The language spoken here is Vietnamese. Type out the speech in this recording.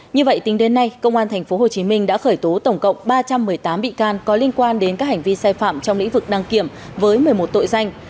như vậy tính đến nay công an tp hcm đã khởi tố tổng cộng ba trăm một mươi tám bị can có liên quan đến các hành vi sai phạm trong lĩnh vực đăng kiểm với một mươi một tội danh